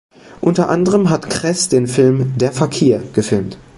Unter anderem hat Kress den Film "Der Fakir" gefilmt.